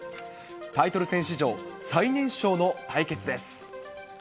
タイトル戦史上、最年少の対決です。